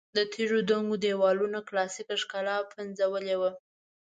د تیږو دنګو دېوالونو کلاسیکه ښکلا پنځولې وه.